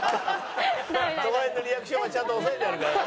その辺のリアクションはちゃんと押さえてあるからね。